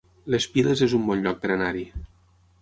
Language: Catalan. Les Piles es un bon lloc per anar-hi